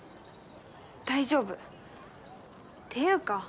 大丈夫っていうか